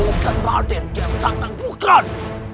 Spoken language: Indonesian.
bukan raden yang sang tangguhkan